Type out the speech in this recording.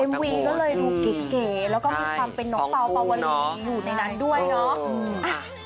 วีก็เลยดูเก๋แล้วก็มีความเป็นน้องเปล่าปาวลีอยู่ในนั้นด้วยเนาะ